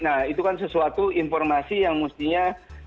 nah itu kan sesuatu informasi yang mestinya